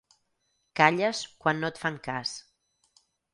Calles quan no et fan cas.